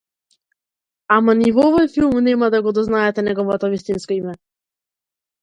Ама ни во овој филм нема да го дознаете неговото вистинско име.